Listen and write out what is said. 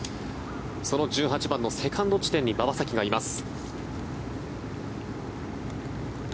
その１８番のセカンド地点に馬場咲希がいます。